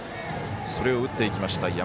それを打っていきました